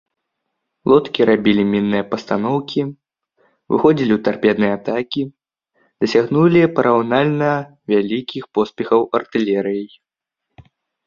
Лодкі рабілі мінныя пастаноўкі, выходзілі ў тарпедныя атакі, дасягнулі параўнальна вялікіх поспехаў артылерыяй.